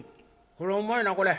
これうまいなこれ。